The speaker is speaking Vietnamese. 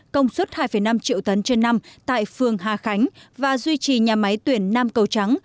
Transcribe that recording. công suất hai năm triệu tấn trên năm tại phường hà khánh và duy trì nhà máy tuyển nam cầu trắng